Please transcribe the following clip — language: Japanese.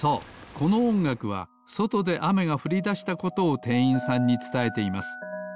このおんがくはそとであめがふりだしたことをてんいんさんにつたえています。